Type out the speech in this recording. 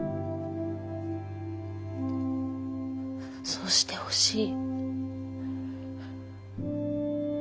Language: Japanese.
そうしてほしい。